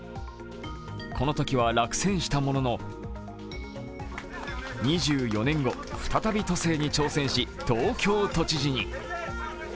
このときは落選したものの、２４年後、再び都政に挑戦し、東京都知事に。